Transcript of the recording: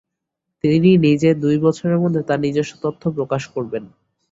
তিনি নিজে দুই বছরের মধ্যে তার নিজস্ব তত্ত্ব প্রকাশ করবেন।